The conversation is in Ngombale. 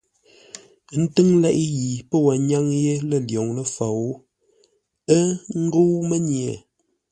Ə́ ntʉ́ŋ leʼé yi pə́ wo nyáŋ yé lə̂ lwoŋ ləfou ə́ ngə́u mənye.